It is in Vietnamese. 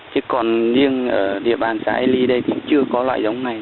chứ còn riêng ở địa bàn xá ely đây thì chưa có loại giống này